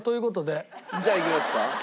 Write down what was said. じゃあいきますか。